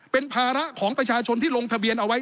เป็นภาระของประชาชนที่ลงทะเบียนเอาไว้